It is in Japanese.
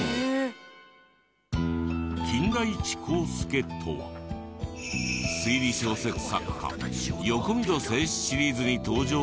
金田一耕助とは推理小説作家横溝正史シリーズに登場する。